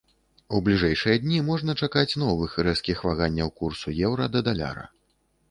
У бліжэйшыя дні можна чакаць новых рэзкіх ваганняў курсу еўра да даляра.